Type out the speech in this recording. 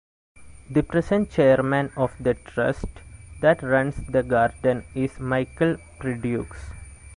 The present chairman of the trust that runs the garden is Michael Prideaux.